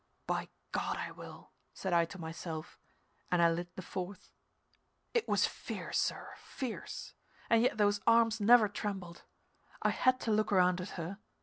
"By God, I will!" said I to myself, and I lit the fourth. It was fierce, sir, fierce! And yet those arms never trembled. I had to look around at her.